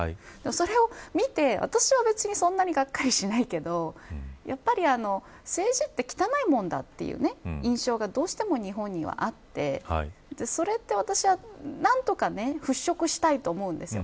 それを見て私は別にそんなにがっかりしないけどやっぱり政治って汚いものだというね印象がどうしても日本にはあってそれって私は、何とか払拭したいと思うんですよ。